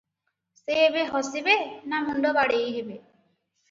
ସେ ଏବେ ହସିବେ, ନା ମୁଣ୍ଡ ବାଡେଇ ହେବେ?